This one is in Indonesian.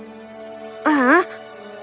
kau hanyalah mainan konyol yang dibuat nenek